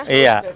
sebetis ini ya